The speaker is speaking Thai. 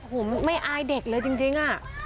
ผมไม่อายเด็กเลยจริง